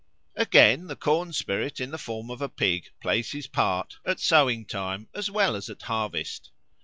Again, the corn spirit in the form of a pig plays his part at sowing time as well as at harvest.